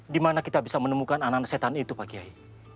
dimana kita bisa menemukan anak anak setan itu pak kiai